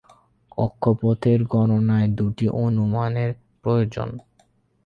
কক্ষপথের গণনায় দুইটি অনুমানের প্রয়োজন।